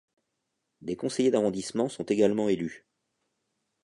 Des conseillers d'arrondissement sont également élus.